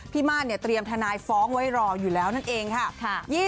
ม่านเตรียมทนายฟ้องไว้รออยู่แล้วนั่นเองค่ะ